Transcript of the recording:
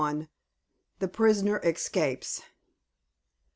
THE PRISONER ESCAPES.